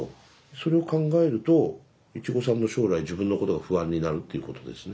それを考えるといちごさんの将来自分のことが不安になるっていうことですね。